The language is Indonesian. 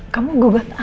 kamu gugat hal